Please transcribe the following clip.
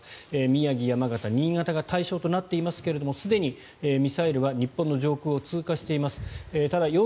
宮城、山形、新潟が対象となっていますがすでにミサイルは日本の上空を通過しています。